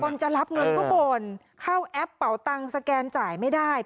คนจะรับเงินก็บ่นเข้าแอปเป่าตังค์สแกนจ่ายไม่ได้